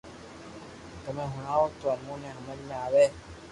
تمي ھڻاوہ تو امو ني ھمج ۾ آوي